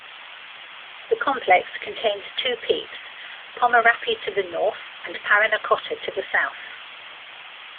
The complex contains two peaks, Pomerape to the north and Parinacota to the south.